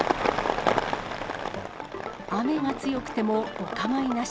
雨が強くてもお構いなし。